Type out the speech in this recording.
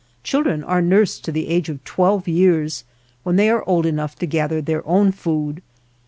32 Children are nursed to the age of twelve years, when they are old enough to gather their own food.